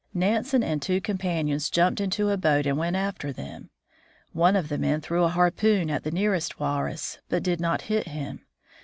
Nansen and two companions jumped into a boat and went after them. One of the men threw a harpoon at the nearest walrus, but did not hit him.